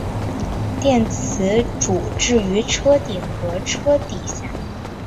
电池组置于车顶和车底下。